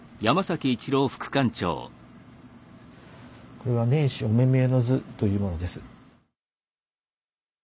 これは「年始御目見之図」というものです。